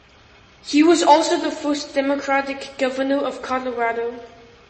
He was also the first Democratic governor of Colorado.